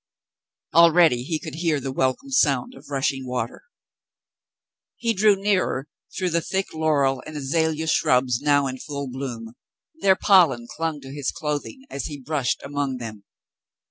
Already he could hear the welcome sound of rushing water. He drew nearer through the thick laurel and azalea shrubs now in full bloom ; their pollen clung to his clothing as he brushed among them.